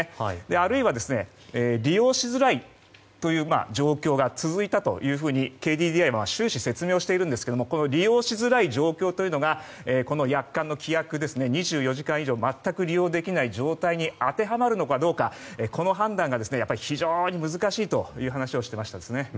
あるいは、利用しづらいという状況が続いたというふうにＫＤＤＩは終始説明をしているんですが利用しづらい状況というのが約款の規約２４時間以上全く利用できない状態に当てはまるのかどうかこの判断が非常に難しいという話をしていました。